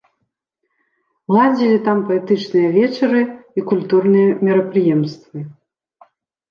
Ладзілі там паэтычныя вечары і культурныя мерапрыемствы.